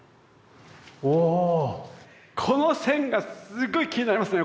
おおこの線がすっごい気になりますね。